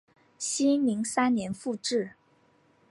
熙宁三年复置。